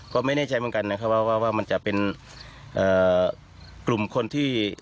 ก็ไม่แน่ใจเหมือนกันนะครับว่ามันจะเป็นกลุ่มคนที่